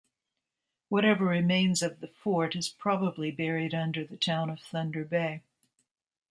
Whatever remains of the fort is probably buried under the town of Thunder Bay.